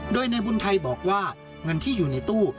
โดยนายบุญไทยบอกว่าเงินที่อยู่ในตู้